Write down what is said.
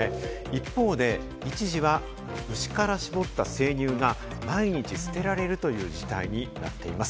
一方で一時は牛から搾った生乳が毎日捨てられるという事態になっています。